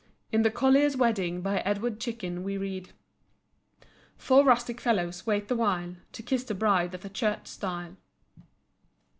In the "Collier's Wedding," by Edward Chicken, we read: Four rustic fellows wait the while To kiss the bride at the church stile.